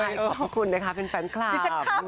ใช่ขอบคุณนะคะเป็นแฟนคลับ